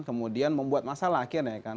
kemudian membuat masalah akhirnya kan